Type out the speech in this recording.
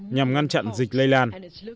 nhằm ngăn chặn dịch lây lan